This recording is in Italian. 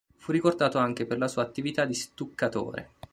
Fu ricordato anche per la sua attività di stuccatore.